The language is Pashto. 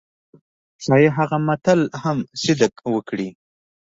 ښايي هغه متل هم صدق وکړي.